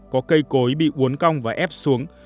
có cây cối bị uốn cong và ép xuống